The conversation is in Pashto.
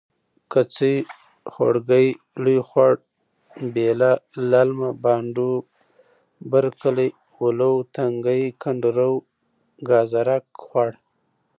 کڅۍ.خوړګۍ.لوی خوړ.بیله.للمه.بانډو.برکلی. ولو تنګی.کنډرو.ګازرک خوړ.